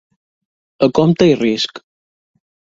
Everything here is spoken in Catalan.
A compte i risc.